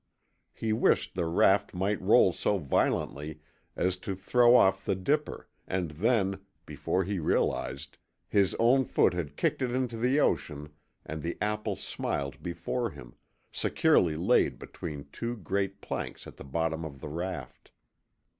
He wished the raft might roll so violently as to throw off the dipper, and then, before he realized, his own foot had kicked it into the ocean and the apple smiled before him, securely laid between two great planks at the bottom of the raft.